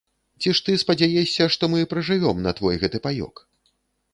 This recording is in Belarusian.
Ці ж ты спадзяешся, што мы пражывём на твой гэты паёк?